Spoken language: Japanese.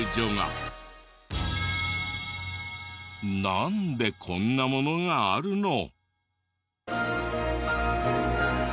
なんでこんなものがあるの？